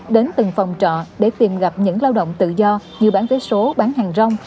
đến từng phòng trọ để tìm gặp những lao động tự do như bán vé số bán hàng rong